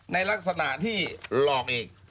ในลักษณะที่หลอกอีก